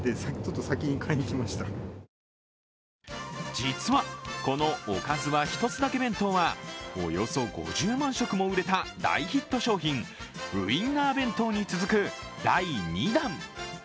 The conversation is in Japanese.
実は、このおかずは１つだけ弁当はおよそ５０万食も売れた大ヒット商品、ウインナー弁当に続く第２弾。